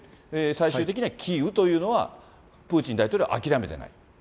最終的にはキーウというのは、プーチン大統領は諦めてない？